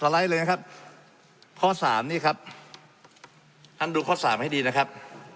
ไลด์เลยนะครับข้อสามนี่ครับท่านดูข้อสามให้ดีนะครับ